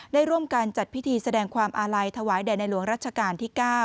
ได้ร่วมกันจัดพิธีแสดงความอาลัยถวายแด่ในหลวงรัชกาลที่๙